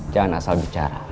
jangan asal bicara